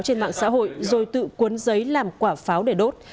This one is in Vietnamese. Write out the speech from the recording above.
trên mạng xã hội rồi tự cuốn giấy làm quả pháo để đốt